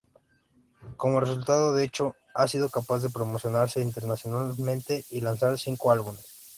Como resultado de ello, ha sido capaz de promocionarse internacionalmente y lanzar cinco álbumes.